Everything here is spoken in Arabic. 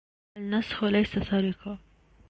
النسخ ليس سرقة.